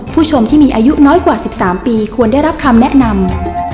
ผู้ชมที่มีอายุน้อยกว่า๑๓ปีควรได้รับคำแนะนำ